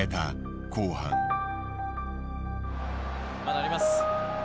まだあります。